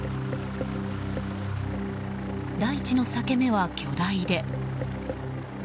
大地の裂け目は巨大で。